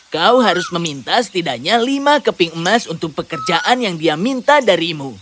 kau harus meminta setidaknya lima keping emas untuk pekerjaan yang dia minta darimu